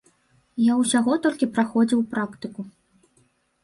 Я ўсяго толькі праходзіў практыку.